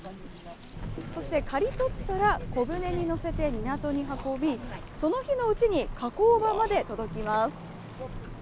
そして刈り取ったら小舟に乗せて港に運び、その日のうちに加工場まで届きます。